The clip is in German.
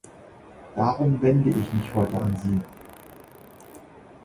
Darum wende ich mich heute an Sie.